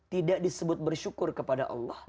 tidak disebut bersyukur kepada allah